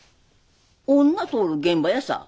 女とおる現場やさ。